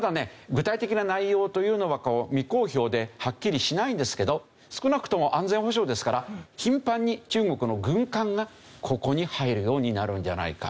具体的な内容というのは未公表ではっきりしないんですけど少なくとも安全保障ですから頻繁に中国の軍艦がここに入るようになるんじゃないか。